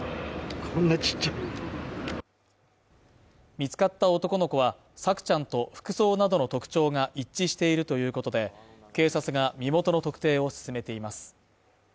見つかった男の子は、朔ちゃんと服装などの特徴が一致しているということで警察が身元の特定を進めています。